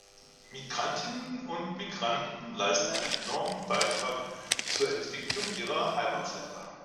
Migrantinnen und Migranten leisten einen enormen Beitrag zur Entwicklung ihrer Heimatländer.